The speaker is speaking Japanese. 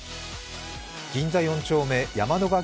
銀座４丁目山野